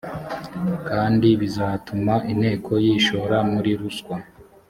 kandi bizatuma inteko yishora muri ruswa